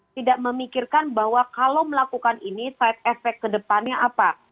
tidak memikirkan bahwa kalau melakukan ini side effect kedepannya apa